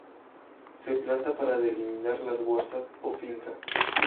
Se planta para delimitar las huertas o fincas.